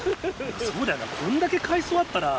そうだよなこんだけ海藻あったら